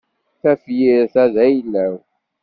Tafyirt-a d ayla-w.